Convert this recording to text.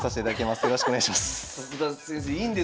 よろしくお願いします。